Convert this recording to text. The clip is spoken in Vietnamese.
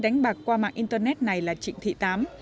đánh bạc qua mạng internet này là trịnh thị tám